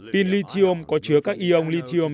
pin lithium có chứa các ion lithium